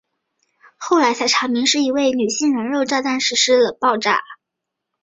后来才查明是一位女性人肉炸弹实施了爆炸。